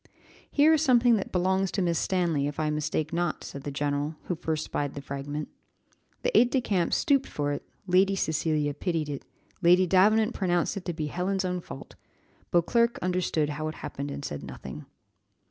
"Here is something that belongs to Miss Stanley, if I mistake not," said the general, who first spied the fragment. The aid de camp stooped for it Lady Cecilia pitied it Lady Davenant pronounced it to be Helen's own fault Beauclerc understood how it happened, and said nothing.